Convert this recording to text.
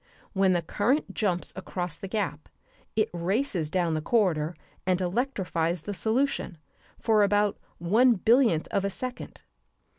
When the current jumps across the gap it races down the corridor and electrifies the solution for about one billionth of a second.